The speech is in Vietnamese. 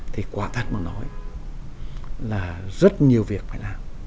thì quả tang mà nói là rất nhiều việc phải làm